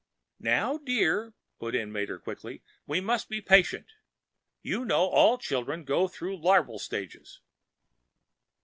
"Now, dear," put in Mater quickly. "We must be patient. You know all children go through larval stages."